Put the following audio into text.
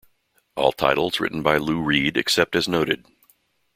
All titles written by Lou Reed except as noted.